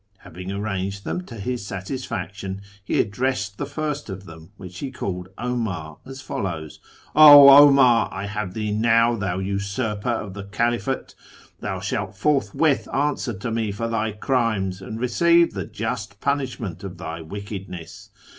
Having arranged them to his satisfaction, he addressed the first of them, which he called jOmar, as follows :—"' 0 'Omar ! I have thee now, thou usurper of the 'aliphate ! Thou shalt forthwith answer to me for thy rimes, and receive the just punishment of thy wickedness.